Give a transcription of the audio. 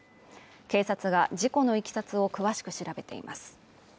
警察が事故のいきさつを詳しく調べています